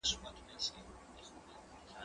کېدای سي زه سبا درس ولولم!.